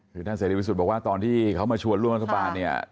คือท่านเสรีวิสุทธิ์บอกว่าตอนที่เขามาชวนร่วมรัฐบาลเนี่ย